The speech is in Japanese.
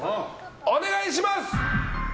お願いします！